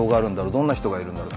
どんな人がいるんだろう。